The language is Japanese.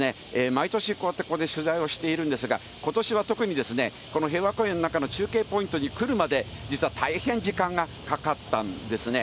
毎年こうやってここで取材をしているんですが、ことしは特にこの平和公園の中の中継ポイントに来るまで、実は大変時間がかかったんですね。